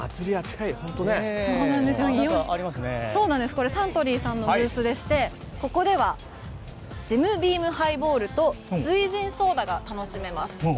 これ、サントリーさんのブースでしてここではジムビームハイボールと翠ジンソーダが楽しめます。